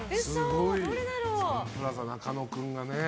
サンプラザ中野くんがね。